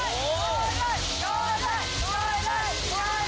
พร้อมแล้วหลับทำไปหาผู้โชคดีกันเลย